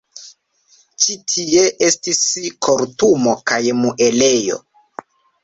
Ĉi tie estis kortumo kaj muelejo.